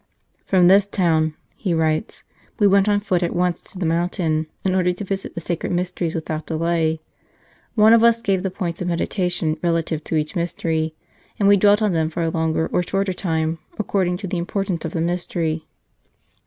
" From the town," he writes, " we went on foot at once to the mountain, in order to visit the sacred mysteries without delay. One of us gave the points of meditation relative to each mystery, and we dwelt on them for a longer or shorter time, according to the importance of the mystery.